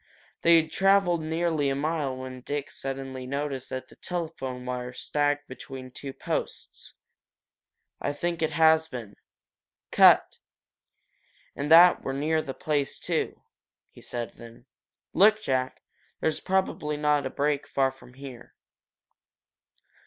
They had traveled nearly a mile when Dick suddenly noticed that the telephone wire sagged between two posts, "I think it has been. Cut and that we're near the place, too," he said then, "Look, Jack! There's probably a break not far from here."